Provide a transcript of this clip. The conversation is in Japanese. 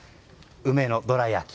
梅のどら焼き